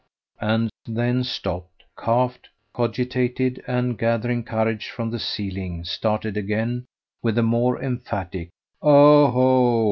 and then stopped, coughed, cogitated, and, gathering courage from the ceiling, started again with a more emphatic "Oh o o!